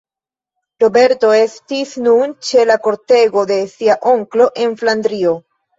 Roberto estis nun ĉe la kortego de sia onklo en Flandrio.